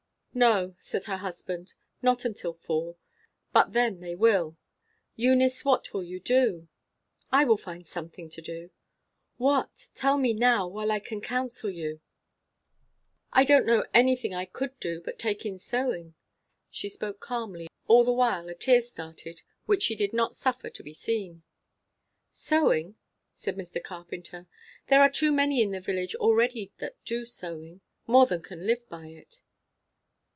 "No," said her husband, "not until fall. But then they will. Eunice, what will you do?" "I will find something to do." "What? Tell me now, while I can counsel you." "I don't know anything I could do, but take in sewing." She spoke calmly, all the while a tear started which she did not suffer to be seen. "Sewing?" said Mr. Carpenter. "There are too many in the village already that do sewing more than can live by it."